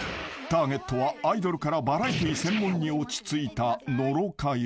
［ターゲットはアイドルからバラエティー専門に落ち着いた］